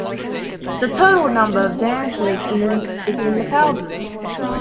The total number of dancers is in the thousands.